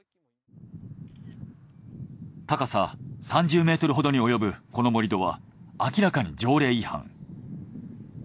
高さ３０ｍほどにおよぶこの盛り土は明らかに条例違反。